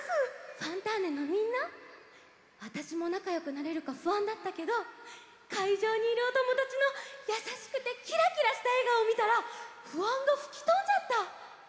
「ファンターネ！」のみんなわたしもなかよくなれるかふあんだったけどかいじょうにいるおともだちのやさしくてキラキラしたえがおをみたらふあんがふきとんじゃった！